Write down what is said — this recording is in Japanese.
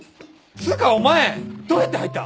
つうかお前どうやって入った！？